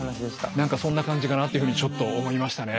何かそんな感じかなっていうふうにちょっと思いましたね。